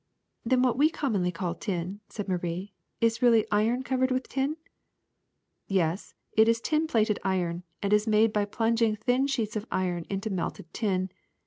'''^ Then what we commonly called tin, '' said Marie, *'is really iron covered over with tin?'' ^^Yes, it is tin plated iron, and is made by plung ing thin sheets of iron into melted tin.